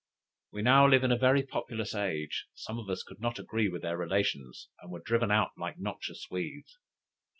We now live in a very populous age; some of us could not agree with their relations, and were driven out like noxious weeds.